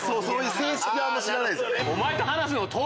正式をあんま知らないんすよね。